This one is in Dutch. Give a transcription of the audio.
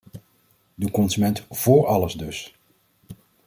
De consument vóór alles dus!